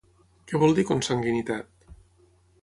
Què vol dir consanguinitat?